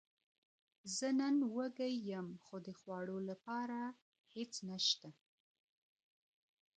زه نن وږی یم، خو د خوړلو لپاره هیڅ نشته